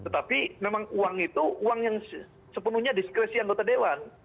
tapi memang uang itu uang yang sepenuhnya diskresi anggota dewan